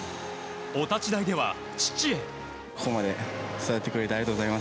お立ち台では父へ。